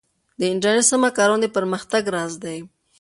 د انټرنیټ سمه کارونه د پرمختګ راز دی.